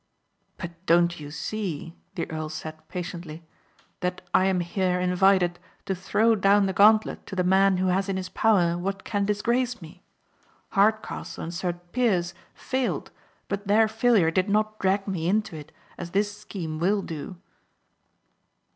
"But don't you see," the earl said patiently, "that I am here invited to throw down the gauntlet to the man who has in his power what can disgrace me? Hardcastle and Sir Piers failed but their failure did not drag me into it as this scheme will do."